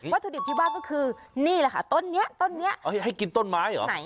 วัตถุดิบที่ว่าก็คือนี่แหละค่ะต้นนี้ต้นนี้เอ้ยให้กินต้นไม้เหรอไหนเนี้ย